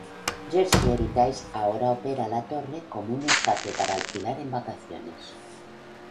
Jersey Heritage ahora opera la torre como un espacio para alquilar en vacaciones.